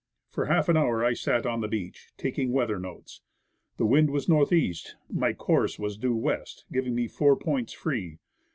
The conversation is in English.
For half an hour I sat on the beach, taking weather notes. The wind was northeast; my course was due west, giving me four points free.